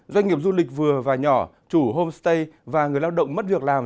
doanh nghiệp du lịch vừa và nhỏ chủ homestay và người lao động mất việc làm